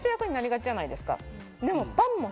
でも。